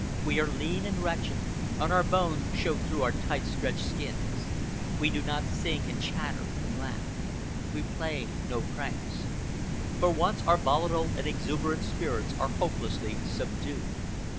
We are lean and wretched, and our bones show through our tight stretched skins. We do not sing and chatter and laugh. We play no pranks. For once our volatile and exuberant spirits are hopelessly subdued.